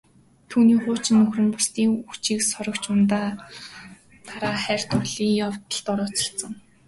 Түүний хуучин нөхөр нь бусдын хүчийг сорогч удаа дараа хайр дурлалын явдалд орооцолдсон.